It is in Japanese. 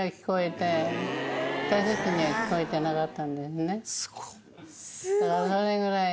私たちには聞こえてなかったんですね。